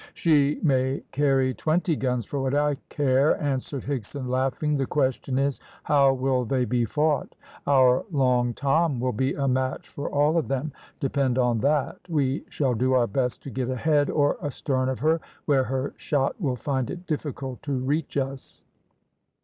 "She may carry twenty guns for what I care," answered Higson, laughing. "The question is, how will they be fought? Our Long Tom will be a match for all of them, depend on that. We shall do our best to get ahead or astern of her, where her shot will find it difficult to reach us."